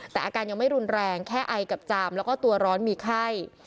แต่อาการยังไม่รุนแรงแค่ไอกับจามแล้วก็ตัวร้อนมีไข้